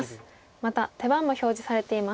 また手番も表示されています。